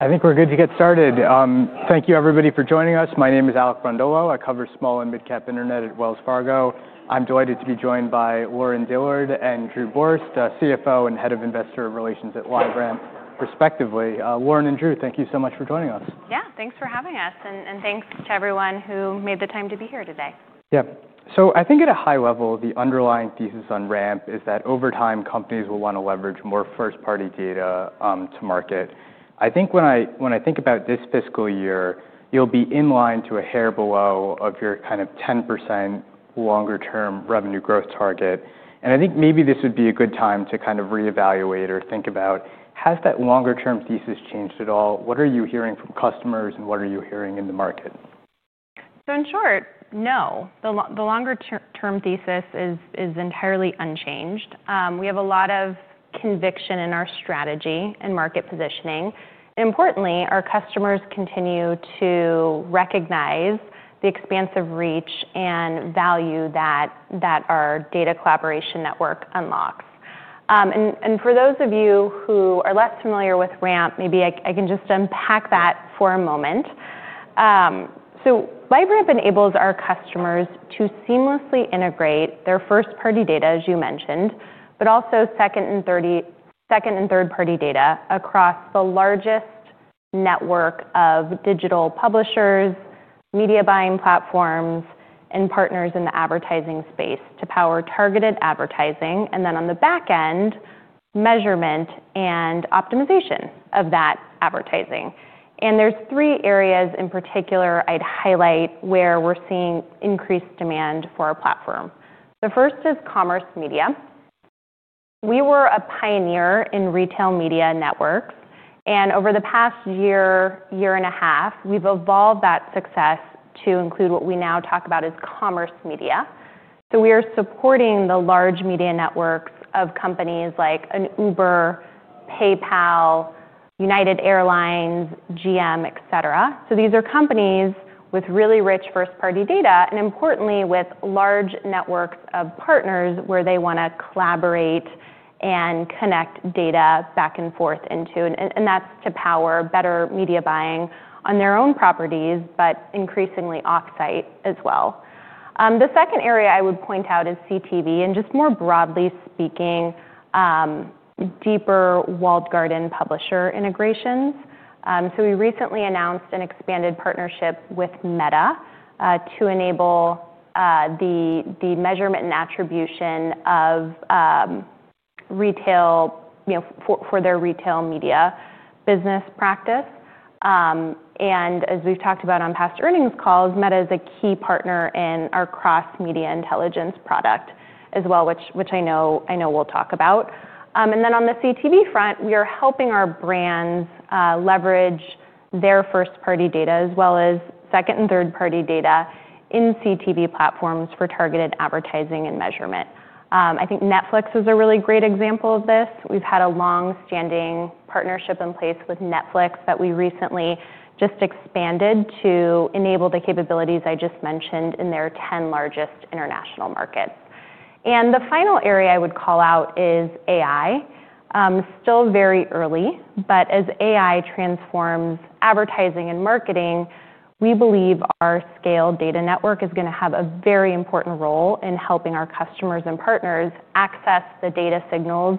I think we're good to get started. Thank you, everybody, for joining us. My name is Alec Brondolo. I cover small and mid-cap internet at Wells Fargo. I'm delighted to be joined by Lauren Dillard and Drew Borst, CFO and Head of Investor Relations at LiveRamp, respectively. Lauren and Drew, thank you so much for joining us. Yeah, thanks for having us. Thanks to everyone who made the time to be here today. Yeah. I think at a high level, the underlying thesis on Ramp is that over time, companies will want to leverage more first-party data to market. I think when I think about this fiscal year, you'll be in line to a hair below your kind of 10% longer-term revenue growth target. I think maybe this would be a good time to kind of reevaluate or think about, has that longer-term thesis changed at all? What are you hearing from customers, and what are you hearing in the market? In short, no. The longer-term thesis is entirely unchanged. We have a lot of conviction in our strategy and market positioning. Importantly, our customers continue to recognize the expansive reach and value that our data collaboration network unlocks. For those of you who are less familiar with Ramp, maybe I can just unpack that for a moment. LiveRamp enables our customers to seamlessly integrate their first-party data, as you mentioned, but also second and third-party data across the largest network of digital publishers, media buying platforms, and partners in the advertising space to power targeted advertising. On the back end, measurement and optimization of that advertising. There are three areas in particular I would highlight where we are seeing increased demand for our platform. The first is commerce media. We were a pioneer in retail media networks. Over the past year, year and a half, we've evolved that success to include what we now talk about as commerce media. We are supporting the large media networks of companies like an Uber, PayPal, United Airlines, GM, et cetera. These are companies with really rich first-party data and, importantly, with large networks of partners where they want to collaborate and connect data back and forth into. That is to power better media buying on their own properties, but increasingly off-site as well. The second area I would point out is CTV. More broadly speaking, deeper walled garden publisher integrations. We recently announced an expanded partnership with Meta to enable the measurement and attribution of retail for their retail media business practice. As we have talked about on past earnings calls, Meta is a key partner in our Cross-Media Intelligence. product as well, which I know we will talk about. On the CTV front, we are helping our brands leverage their first-party data as well as second and third-party data in CTV platforms for targeted advertising and measurement. I think Netflix is a really great example of this. We have had a longstanding partnership in place with Netflix that we recently just expanded to enable the capabilities I just mentioned in their 10 largest international markets. The final area I would call out is AI. Still very early, but as AI transforms advertising and marketing, we believe our scale data network is going to have a very important role in helping our customers and partners access the data signals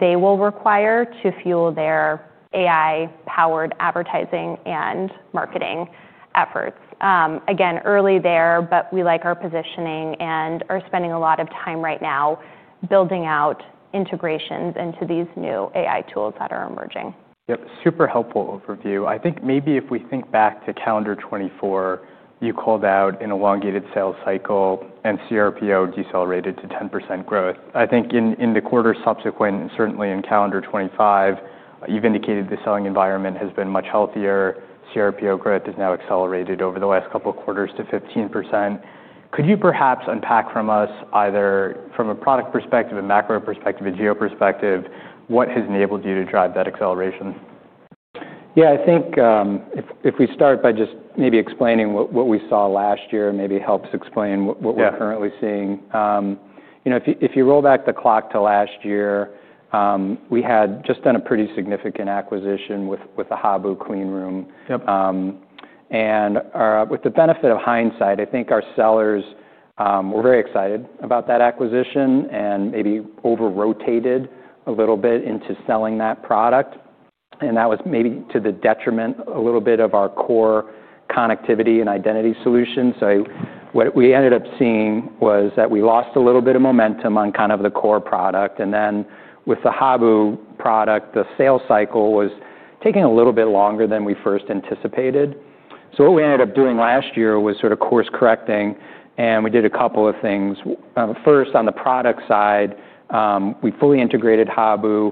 they will require to fuel their AI-powered advertising and marketing efforts. Again, early there, but we like our positioning and are spending a lot of time right now building out integrations into these new AI tools that are emerging. Yep, super helpful overview. I think maybe if we think back to calendar 2024, you called out an elongated sales cycle and CRPO decelerated to 10% growth. I think in the quarter subsequent and certainly in calendar 2025, you've indicated the selling environment has been much healthier. CRPO growth has now accelerated over the last couple of quarters to 15%. Could you perhaps unpack from us either from a product perspective, a macro perspective, a geo perspective, what has enabled you to drive that acceleration? Yeah, I think if we start by just maybe explaining what we saw last year, maybe helps explain what we're currently seeing. If you roll back the clock to last year, we had just done a pretty significant acquisition with the Habu cleanroom. With the benefit of hindsight, I think our sellers were very excited about that acquisition and maybe over-rotated a little bit into selling that product. That was maybe to the detriment a little bit of our core connectivity and identity solution. What we ended up seeing was that we lost a little bit of momentum on kind of the core product. With the Habu product, the sales cycle was taking a little bit longer than we first anticipated. What we ended up doing last year was sort of course correcting. We did a couple of things. First, on the product side, we fully integrated Habu,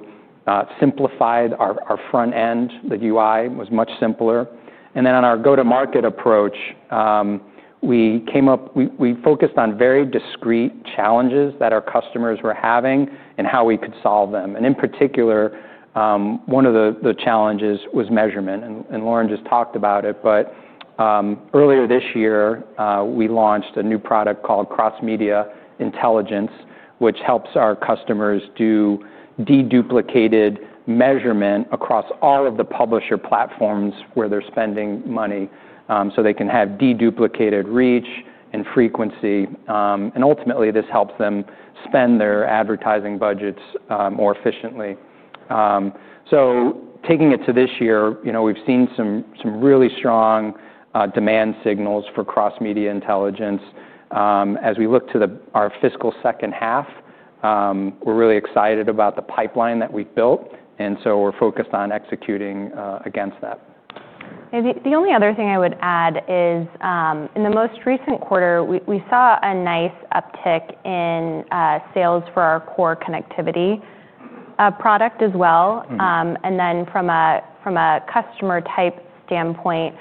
simplified our front end. The UI was much simpler. On our go-to-market approach, we focused on very discrete challenges that our customers were having and how we could solve them. In particular, one of the challenges was measurement. Lauren just talked about it. Earlier this year, we launched a new product called Cross-Media Intelligence., which helps our customers do deduplicated measurement across all of the publisher platforms where they're spending money so they can have deduplicated reach and frequency. Ultimately, this helps them spend their advertising budgets more efficiently. Taking it to this year, we've seen some really strong demand signals for Cross-Media Intelligence.. As we look to our fiscal second half, we're really excited about the pipeline that we've built. We're focused on executing against that. The only other thing I would add is in the most recent quarter, we saw a nice uptick in sales for our core Connectivity product as well. From a customer type standpoint,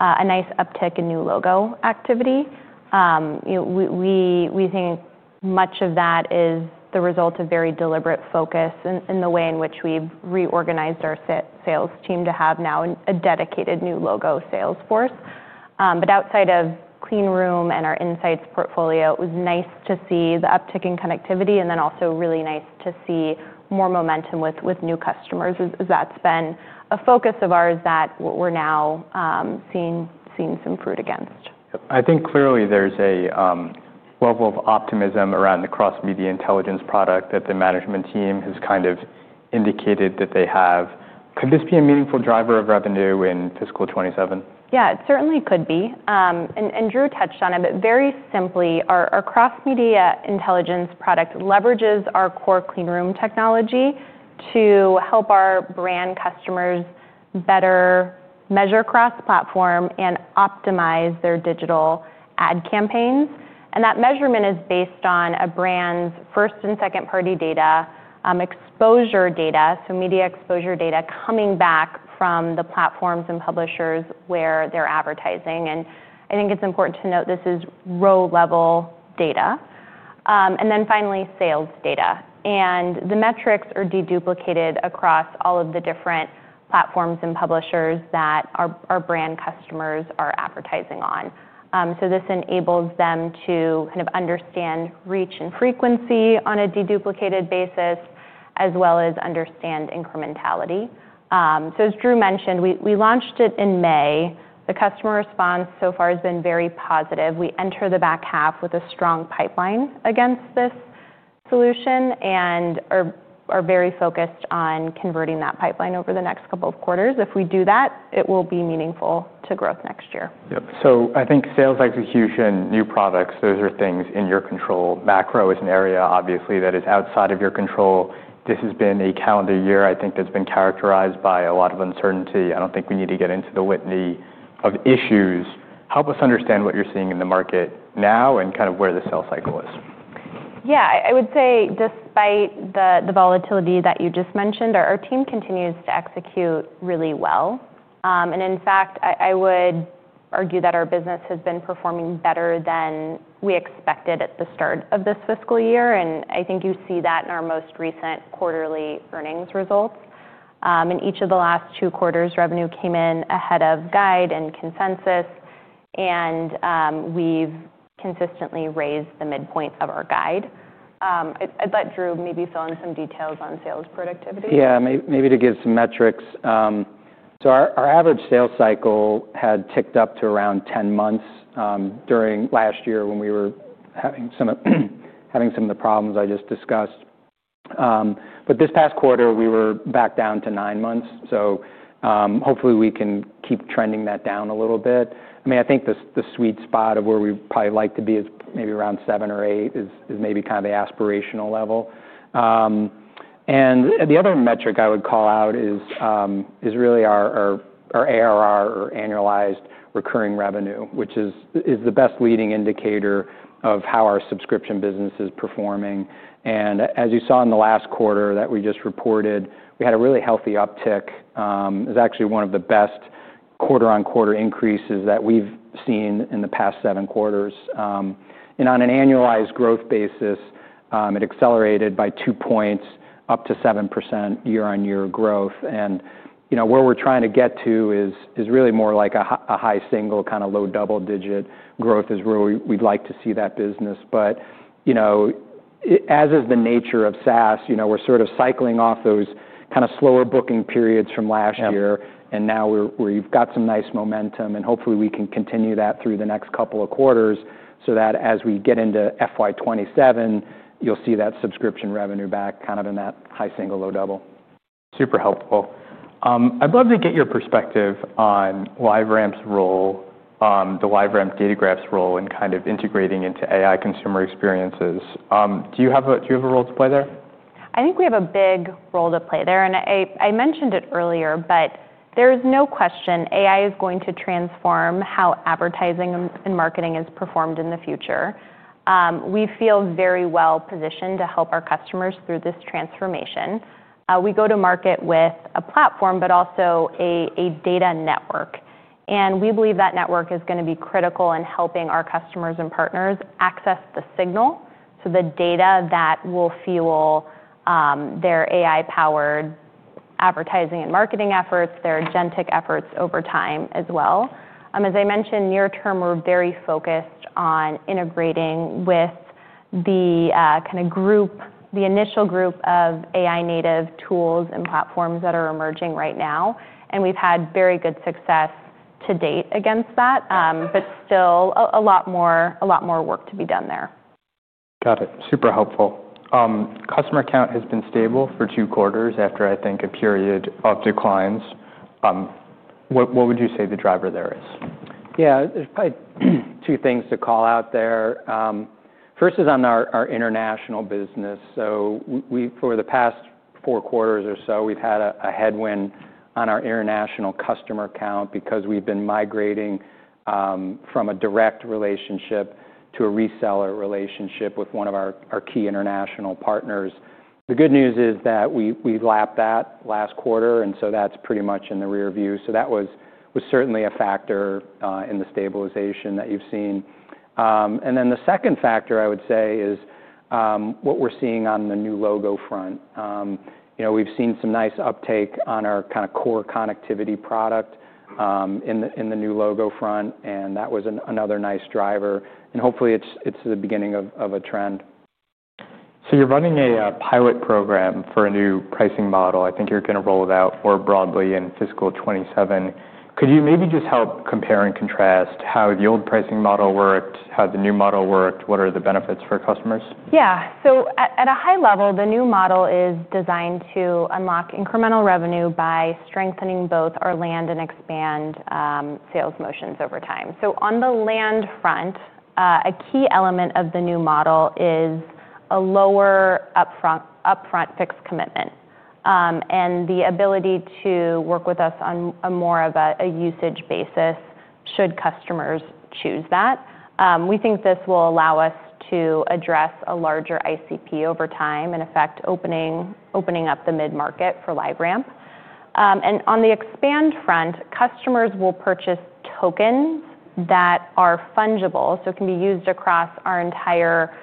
a nice uptick in new logo activity. We think much of that is the result of very deliberate focus in the way in which we've reorganized our sales team to have now a dedicated new logo sales force. Outside of Cleanroom and our Insights portfolio, it was nice to see the uptick in Connectivity and then also really nice to see more momentum with new customers as that's been a focus of ours that we're now seeing some fruit against. I think clearly there's a level of optimism around the Cross-Media Intelligence. product that the management team has kind of indicated that they have. Could this be a meaningful driver of revenue in fiscal 2027? Yeah, it certainly could be. Drew touched on it, but very simply, our Cross-Media Intelligence. product leverages our core cleanroom technology to help our brand customers better measure cross-platform and optimize their digital ad campaigns. That measurement is based on a brand's first and second-party data exposure data, so media exposure data coming back from the platforms and publishers where they're advertising. I think it's important to note this is row-level data. Then finally, sales data. The metrics are deduplicated across all of the different platforms and publishers that our brand customers are advertising on. This enables them to kind of understand reach and frequency on a deduplicated basis as well as understand incrementality. As Drew mentioned, we launched it in May. The customer response so far has been very positive. We enter the back half with a strong pipeline against this solution and are very focused on converting that pipeline over the next couple of quarters. If we do that, it will be meaningful to growth next year. Yep. I think sales execution, new products, those are things in your control. Macro is an area, obviously, that is outside of your control. This has been a calendar year, I think, that's been characterized by a lot of uncertainty. I don't think we need to get into the litany of issues. Help us understand what you're seeing in the market now and kind of where the sales cycle is. Yeah, I would say despite the volatility that you just mentioned, our team continues to execute really well. In fact, I would argue that our business has been performing better than we expected at the start of this fiscal year. I think you see that in our most recent quarterly earnings results. In each of the last two quarters, revenue came in ahead of guide and consensus. We have consistently raised the midpoint of our guide. I'd let Drew maybe fill in some details on sales productivity. Yeah, maybe to give some metrics. Our average sales cycle had ticked up to around 10 months during last year when we were having some of the problems I just discussed. This past quarter, we were back down to nine months. Hopefully, we can keep trending that down a little bit. I mean, I think the sweet spot of where we'd probably like to be is maybe around seven or eight, is maybe kind of the aspirational level. The other metric I would call out is really our ARR, or annualized recurring revenue, which is the best leading indicator of how our subscription business is performing. As you saw in the last quarter that we just reported, we had a really healthy uptick. It was actually one of the best quarter-on-quarter increases that we've seen in the past seven quarters. On an annualized growth basis, it accelerated by two points up to 7% year-on-year growth. Where we are trying to get to is really more like a high single, kind of low double-digit growth is where we would like to see that business. As is the nature of SaaS, we are sort of cycling off those kind of slower booking periods from last year. Now we have got some nice momentum. Hopefully, we can continue that through the next couple of quarters so that as we get into FY 2027, you will see that subscription revenue back kind of in that high single, low double. Super helpful. I would love to get your perspective on LiveRamp's role, the LiveRamp Datagraph's role in kind of integrating into AI consumer experiences. Do you have a role to play there? I think we have a big role to play there. I mentioned it earlier, but there is no question AI is going to transform how advertising and marketing is performed in the future. We feel very well positioned to help our customers through this transformation. We go to market with a platform, but also a data network. We believe that network is going to be critical in helping our customers and partners access the signal, so the data that will fuel their AI-powered advertising and marketing efforts, their agentic efforts over time as well. I mentioned, near term, we're very focused on integrating with the kind of group, the initial group of AI-native tools and platforms that are emerging right now. We've had very good success to date against that, but still a lot more work to be done there. Got it. Super helpful. Customer count has been stable for two quarters after, I think, a period of declines. What would you say the driver there is? Yeah, there's probably two things to call out there. First is on our international business. For the past four quarters or so, we've had a headwind on our international customer count because we've been migrating from a direct relationship to a reseller relationship with one of our key international partners. The good news is that we lapped that last quarter. That is pretty much in the rearview. That was certainly a factor in the stabilization that you've seen. The second factor I would say is what we're seeing on the new logo front. We've seen some nice uptake on our kind of core connectivity product in the new logo front. That was another nice driver. Hopefully, it's the beginning of a trend. You're running a pilot program for a new pricing model. I think you're going to roll it out more broadly in fiscal 2027. Could you maybe just help compare and contrast how the old pricing model worked, how the new model worked, what are the benefits for customers? Yeah. At a high level, the new model is designed to unlock incremental revenue by strengthening both our land and expand sales motions over time. On the land front, a key element of the new model is a lower upfront fixed commitment and the ability to work with us on more of a usage basis should customers choose that. We think this will allow us to address a larger ICP over time and, in effect, open up the mid-market for LiveRamp. On the expand front, customers will purchase tokens that are fungible, so they can be used across our entire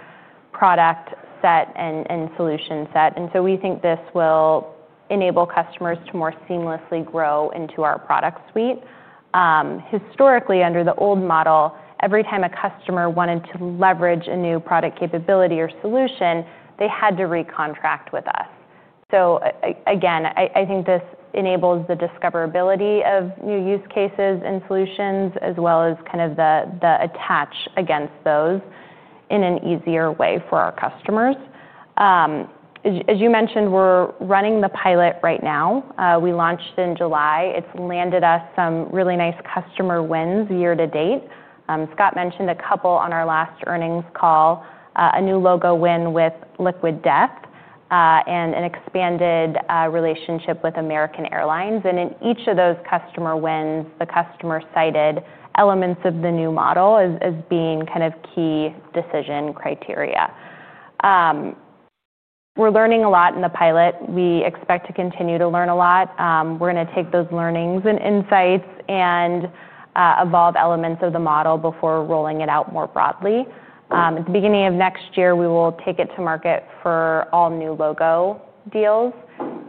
product set and solution set. We think this will enable customers to more seamlessly grow into our product suite. Historically, under the old model, every time a customer wanted to leverage a new product capability or solution, they had to recontract with us. I think this enables the discoverability of new use cases and solutions as well as kind of the attach against those in an easier way for our customers. As you mentioned, we're running the pilot right now. We launched in July. It's landed us some really nice customer wins year to date. Scott mentioned a couple on our last earnings call, a new logo win with Liquid Death and an expanded relationship with American Airlines. In each of those customer wins, the customer cited elements of the new model as being kind of key decision criteria. We're learning a lot in the pilot. We expect to continue to learn a lot. We're going to take those learnings and insights and evolve elements of the model before rolling it out more broadly. At the beginning of next year, we will take it to market for all new logo deals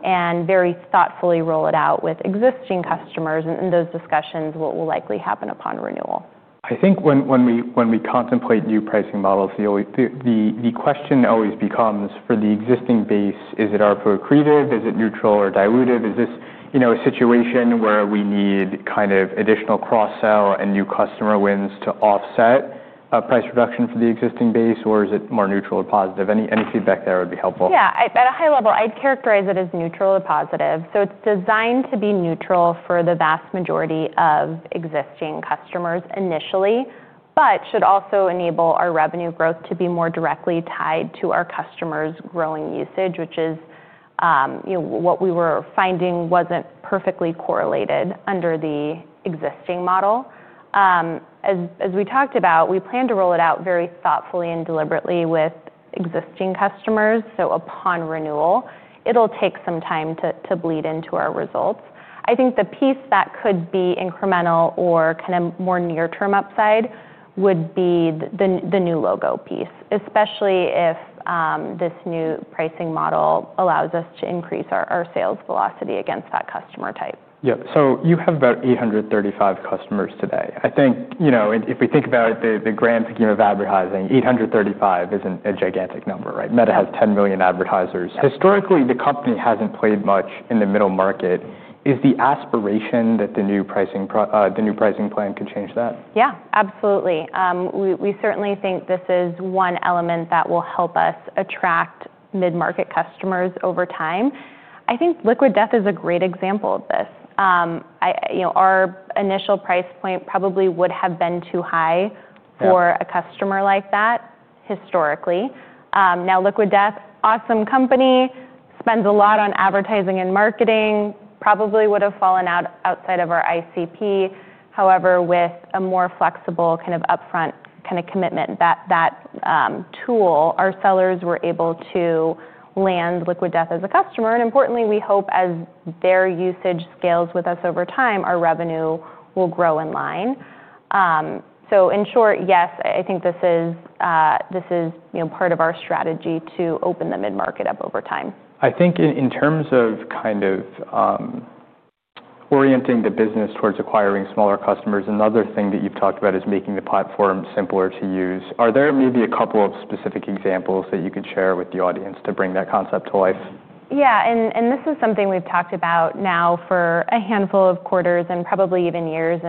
and very thoughtfully roll it out with existing customers. In those discussions, what will likely happen upon renewal. I think when we contemplate new pricing models, the question always becomes, for the existing base, is it artfully creative? Is it neutral or diluted? Is this a situation where we need kind of additional cross-sell and new customer wins to offset a price reduction for the existing base, or is it more neutral or positive? Any feedback there would be helpful. Yeah, at a high level, I'd characterize it as neutral or positive. It is designed to be neutral for the vast majority of existing customers initially, but should also enable our revenue growth to be more directly tied to our customers' growing usage, which is what we were finding was not perfectly correlated under the existing model. As we talked about, we plan to roll it out very thoughtfully and deliberately with existing customers. Upon renewal, it will take some time to bleed into our results. I think the piece that could be incremental or kind of more near-term upside would be the new logo piece, especially if this new pricing model allows us to increase our sales velocity against that customer type. Yeah. So you have about 835 customers today. I think if we think about the grand scheme of advertising, 835 isn't a gigantic number, right? Meta has 10 million advertisers. Historically, the company hasn't played much in the middle market. Is the aspiration that the new pricing plan could change that? Yeah, absolutely. We certainly think this is one element that will help us attract mid-market customers over time. I think Liquid Death is a great example of this. Our initial price point probably would have been too high for a customer like that historically. Now, Liquid Death, awesome company, spends a lot on advertising and marketing, probably would have fallen outside of our ICP. However, with a more flexible kind of upfront kind of commitment to that tool, our sellers were able to land Liquid Death as a customer. Importantly, we hope as their usage scales with us over time, our revenue will grow in line. In short, yes, I think this is part of our strategy to open the mid-market up over time. I think in terms of kind of orienting the business towards acquiring smaller customers, another thing that you've talked about is making the platform simpler to use. Are there maybe a couple of specific examples that you could share with the audience to bring that concept to life? Yeah. This is something we've talked about now for a handful of quarters and probably even years.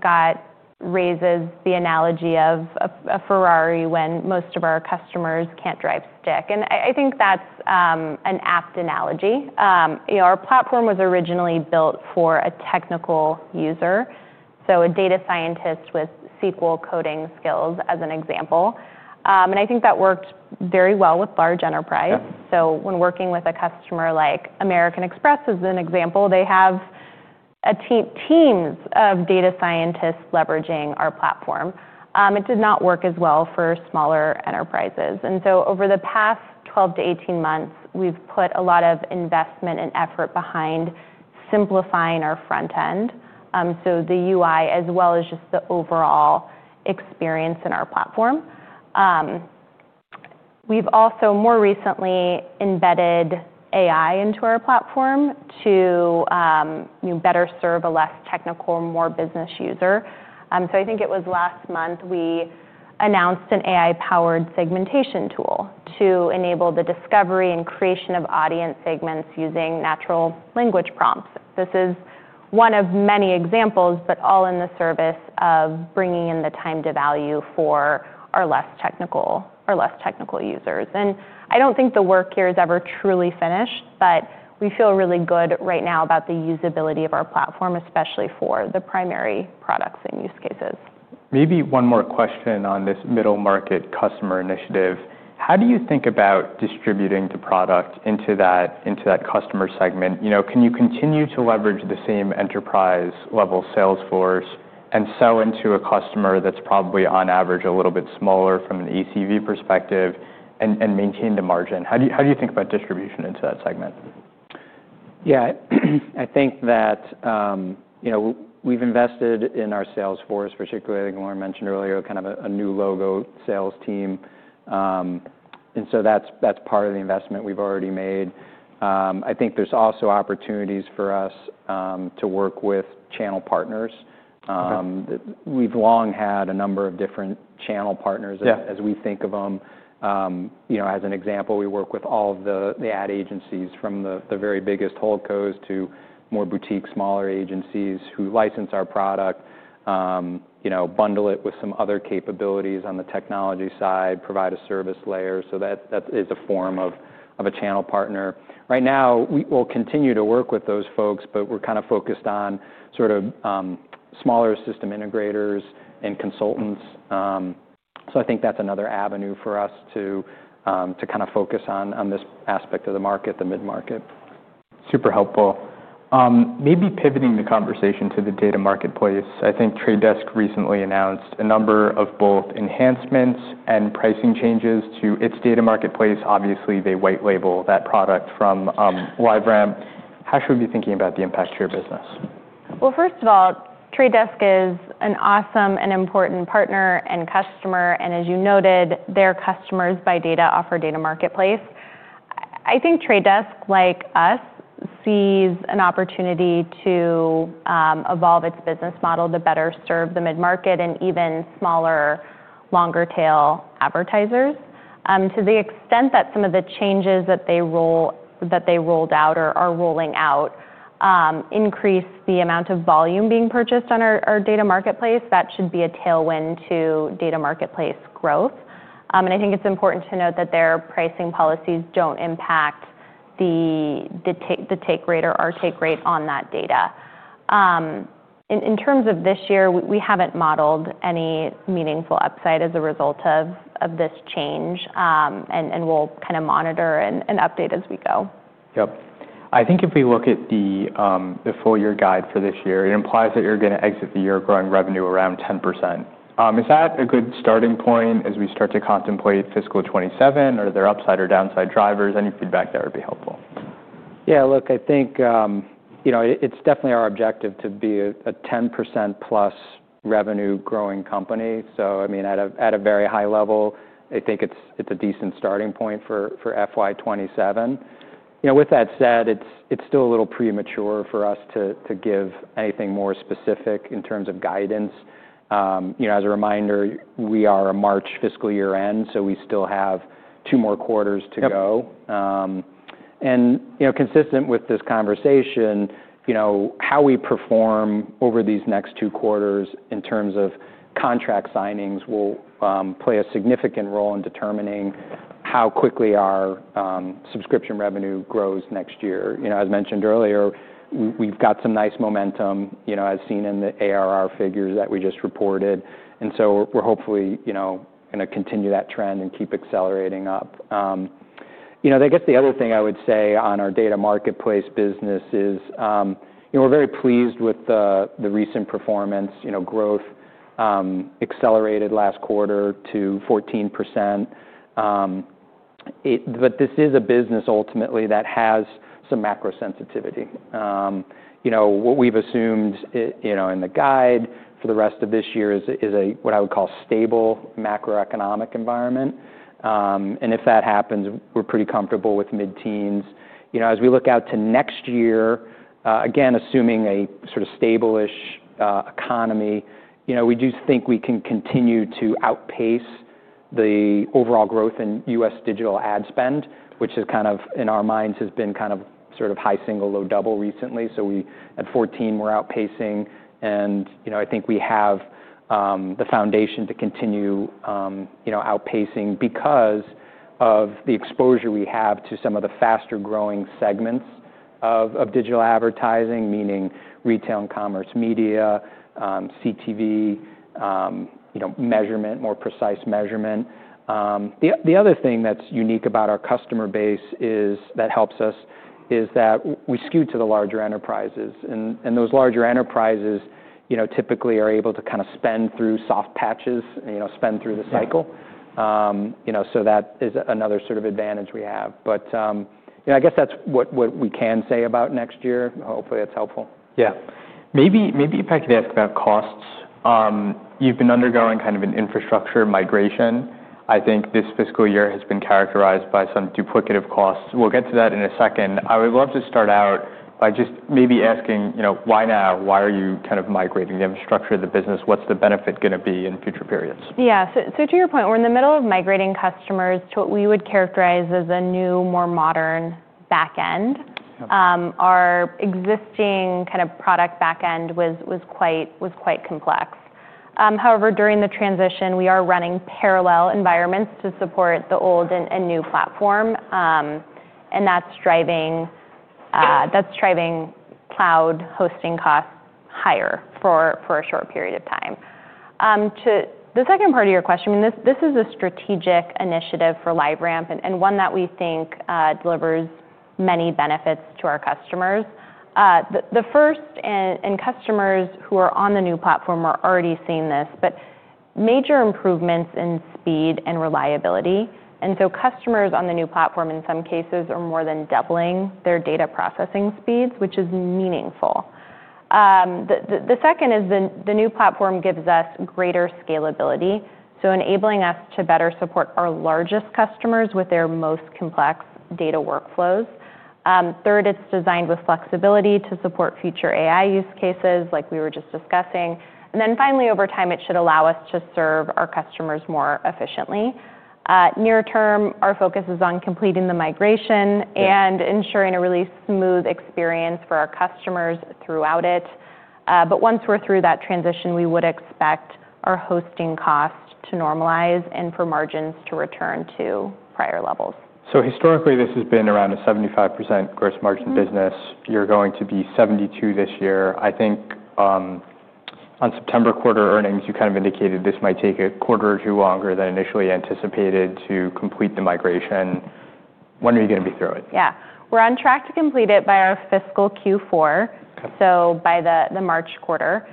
Scott raises the analogy of a Ferrari when most of our customers can't drive stick. I think that's an apt analogy. Our platform was originally built for a technical user, so a data scientist with SQL coding skills as an example. I think that worked very well with large enterprise. When working with a customer like American Express as an example, they have teams of data scientists leveraging our platform. It did not work as well for smaller enterprises. Over the past 12 months-18 months, we've put a lot of investment and effort behind simplifying our front end, so the UI as well as just the overall experience in our platform. We've also more recently embedded AI into our platform to better serve a less technical, more business user. I think it was last month we announced an AI-powered segmentation tool to enable the discovery and creation of audience segments using natural language prompts. This is one of many examples, all in the service of bringing in the time to value for our less technical users. I don't think the work here is ever truly finished, but we feel really good right now about the usability of our platform, especially for the primary products and use cases. Maybe one more question on this middle market customer initiative. How do you think about distributing the product into that customer segment? Can you continue to leverage the same enterprise-level sales force and sell into a customer that's probably on average a little bit smaller from an ECV perspective and maintain the margin? How do you think about distribution into that segment? Yeah. I think that we've invested in our sales force, particularly, like Lauren mentioned earlier, kind of a new logo sales team. That is part of the investment we've already made. I think there's also opportunities for us to work with channel partners. We've long had a number of different channel partners as we think of them. As an example, we work with all of the ad agencies from the very biggest holdcos to more boutique smaller agencies who license our product, bundle it with some other capabilities on the technology side, provide a service layer. That is a form of a channel partner. Right now, we'll continue to work with those folks, but we're kind of focused on sort of smaller system integrators and consultants. I think that's another avenue for us to kind of focus on this aspect of the market, the mid-market. Super helpful. Maybe pivoting the conversation to the Data Marketplace. I think Trade Desk recently announced a number of both enhancements and pricing changes to its Data Marketplace. Obviously, they white label that product from LiveRamp. How should we be thinking about the impact to your business? of all, Trade Desk is an awesome and important partner and customer. As you noted, their customers buy data off our Data Marketplace. I think Trade Desk, like us, sees an opportunity to evolve its business model to better serve the mid-market and even smaller, longer-tail advertisers. To the extent that some of the changes that they rolled out or are rolling out increase the amount of volume being purchased on our Data Marketplace, that should be a tailwind to Data Marketplace growth. I think it's important to note that their pricing policies do not impact the take rate or our take rate on that data. In terms of this year, we have not modeled any meaningful upside as a result of this change. We will kind of monitor and update as we go. Yep. I think if we look at the full year guide for this year, it implies that you're going to exit the year growing revenue around 10%. Is that a good starting point as we start to contemplate fiscal 2027? Are there upside or downside drivers? Any feedback there would be helpful? Yeah. Look, I think it's definitely our objective to be a 10%+ revenue growing company. I mean, at a very high level, I think it's a decent starting point for FY 2027. With that said, it's still a little premature for us to give anything more specific in terms of guidance. As a reminder, we are a March fiscal year end, so we still have two more quarters to go. Consistent with this conversation, how we perform over these next two quarters in terms of contract signings will play a significant role in determining how quickly our subscription revenue grows next year. As mentioned earlier, we've got some nice momentum as seen in the ARR figures that we just reported. We're hopefully going to continue that trend and keep accelerating up. I guess the other thing I would say on our Data Marketplace business is we're very pleased with the recent performance. Growth accelerated last quarter to 14%. This is a business ultimately that has some macro sensitivity. What we've assumed in the guide for the rest of this year is what I would call stable macroeconomic environment. If that happens, we're pretty comfortable with mid-teens. As we look out to next year, again, assuming a sort of stablish economy, we do think we can continue to outpace the overall growth in U.S. digital ad spend, which has kind of in our minds has been kind of sort of high single, low double recently. At 14%, we're outpacing. I think we have the foundation to continue outpacing because of the exposure we have to some of the faster growing segments of digital advertising, meaning retail and commerce media, CTV, measurement, more precise measurement. The other thing that's unique about our customer base that helps us is that we skew to the larger enterprises. Those larger enterprises typically are able to kind of spend through soft patches, spend through the cycle. That is another sort of advantage we have. I guess that's what we can say about next year. Hopefully, that's helpful. Yeah. Maybe if I could ask about costs. You've been undergoing kind of an infrastructure migration. I think this fiscal year has been characterized by some duplicative costs. We'll get to that in a second. I would love to start out by just maybe asking why now? Why are you kind of migrating the infrastructure, the business? What's the benefit going to be in future periods? Yeah. So to your point, we're in the middle of migrating customers to what we would characterize as a new, more modern back end. Our existing kind of product back end was quite complex. However, during the transition, we are running parallel environments to support the old and new platform. That is driving cloud hosting costs higher for a short period of time. To the second part of your question, this is a strategic initiative for LiveRamp and one that we think delivers many benefits to our customers. The first, and customers who are on the new platform are already seeing this, is major improvements in speed and reliability. Customers on the new platform in some cases are more than doubling their data processing speeds, which is meaningful. The second is the new platform gives us greater scalability, so enabling us to better support our largest customers with their most complex data workflows. Third, it's designed with flexibility to support future AI use cases like we were just discussing. And then finally, over time, it should allow us to serve our customers more efficiently. Near term, our focus is on completing the migration and ensuring a really smooth experience for our customers throughout it. Once we're through that transition, we would expect our hosting costs to normalize and for margins to return to prior levels. Historically, this has been around a 75% gross margin business. You're going to be 72% this year. I think on September quarter earnings, you kind of indicated this might take a quarter or two longer than initially anticipated to complete the migration. When are you going to be through it? Yeah. We're on track to complete it by our fiscal Q4, so by the March quarter.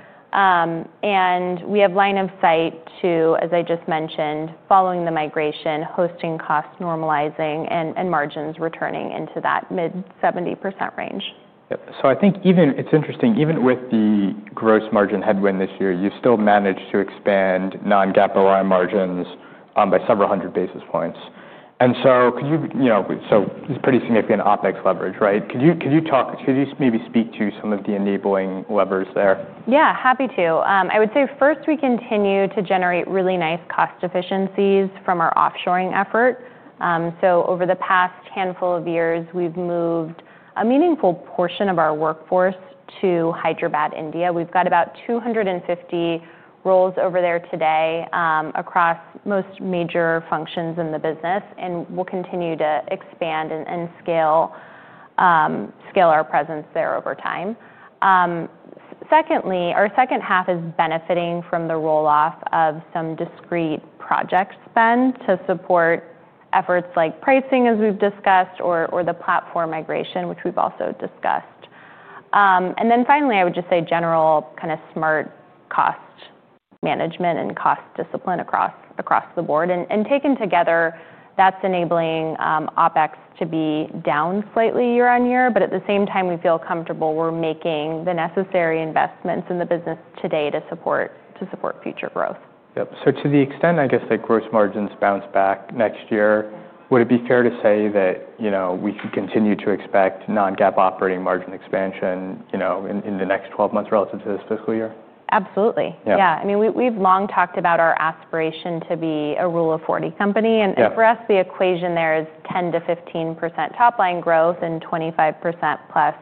We have line of sight to, as I just mentioned, following the migration, hosting costs normalizing and margins returning into that mid 70% range. I think it's interesting, even with the gross margin headwind this year, you've still managed to expand non-GAAP ROI margins by several hundred basis points. It is pretty significant OpEx leverage, right? Could you maybe speak to some of the enabling levers there? Yeah, happy to. I would say first we continue to generate really nice cost efficiencies from our offshoring effort. Over the past handful of years, we've moved a meaningful portion of our workforce to Hyderabad, India. We've got about 250 roles over there today across most major functions in the business. We will continue to expand and scale our presence there over time. Secondly, our second half is benefiting from the roll-off of some discrete project spend to support efforts like pricing, as we've discussed, or the platform migration, which we've also discussed. Finally, I would just say general kind of smart cost management and cost discipline across the board. Taken together, that's enabling OPEX to be down slightly year on year. At the same time, we feel comfortable we're making the necessary investments in the business today to support future growth. Yep. To the extent I guess that gross margins bounce back next year, would it be fair to say that we can continue to expect non-GAAP operating margin expansion in the next 12 months relative to this fiscal year? Absolutely. Yeah. I mean, we've long talked about our aspiration to be a rule of 40 company. For us, the equation there is 10-15% top line growth and 25%+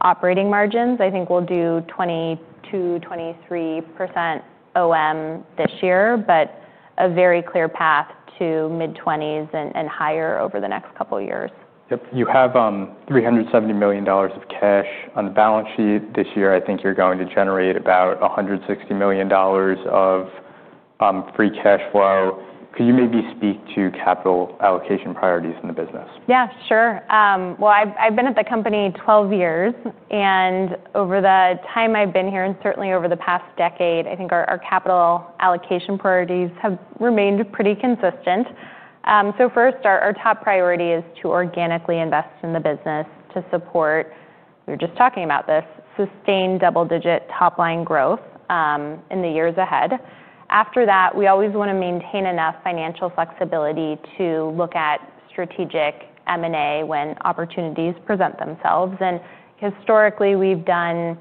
operating margins. I think we'll do 22-23% OM this year, but a very clear path to mid-20s and higher over the next couple of years. Yep. You have $370 million of cash on the balance sheet this year. I think you're going to generate about $160 million of free cash flow. Could you maybe speak to capital allocation priorities in the business? Yeah, sure. I've been at the company 12 years. Over the time I've been here and certainly over the past decade, I think our capital allocation priorities have remained pretty consistent. First, our top priority is to organically invest in the business to support, we were just talking about this, sustained double-digit top line growth in the years ahead. After that, we always want to maintain enough financial flexibility to look at strategic M&A when opportunities present themselves. Historically, we've done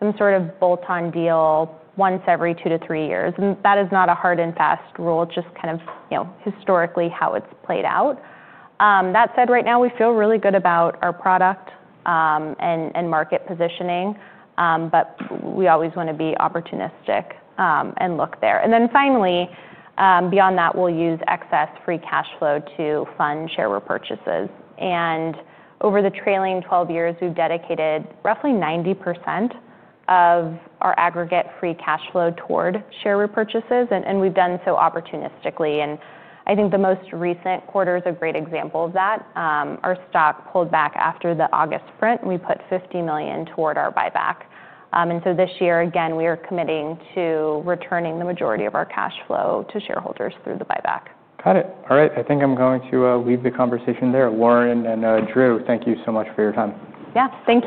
some sort of bolt-on deal once every two to three years. That is not a hard and fast rule, just kind of historically how it's played out. That said, right now, we feel really good about our product and market positioning. We always want to be opportunistic and look there. Finally, beyond that, we'll use excess free cash flow to fund share repurchases. Over the trailing 12 years, we've dedicated roughly 90% of our aggregate free cash flow toward share repurchases. We've done so opportunistically. I think the most recent quarter is a great example of that. Our stock pulled back after the August print. We put $50 million toward our buyback. This year, again, we are committing to returning the majority of our cash flow to shareholders through the buyback. Got it. All right. I think I'm going to leave the conversation there. Lauren and Drew, thank you so much for your time. Yeah. Thank you.